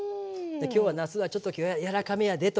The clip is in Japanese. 今日はなすはちょっと今日はやらかめやでとかね。